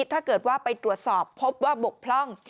ถ้าเกิดว่าไปตรวจสอบพบว่าบกพร่อง